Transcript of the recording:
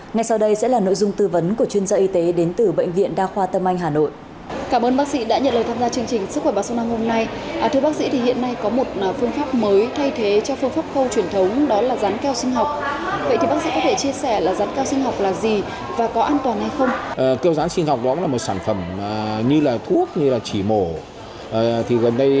ngay sau đây sẽ là nội dung tư vấn của chuyên gia y tế đến từ bệnh viện đa khoa tâm anh hà nội